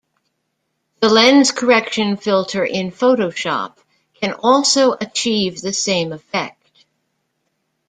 The Lens Correction filter in Photoshop can also achieve the same effect.